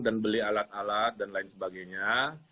dan beli alat alat dan lain sebagainya